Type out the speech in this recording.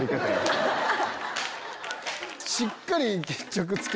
しっかり。